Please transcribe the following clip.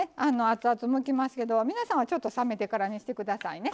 熱々むきますけど皆さんはちょっと冷めてからにして下さいね。